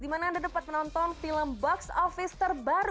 dimana anda dapat menonton film box office terbaru